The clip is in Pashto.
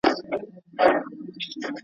چي مي دري نیوي کلونه کشوله.